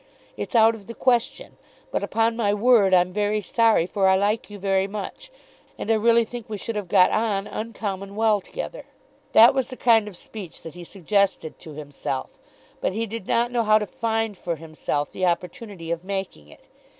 It's out of the question. But, upon my word, I'm very sorry, for I like you very much, and I really think we should have got on uncommon well together." That was the kind of speech that he suggested to himself, but he did not know how to find for himself the opportunity of making it.